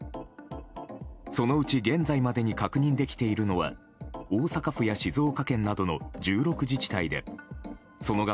そのうち現在までに確認できているのは大阪府や静岡県などの１６自治体でその額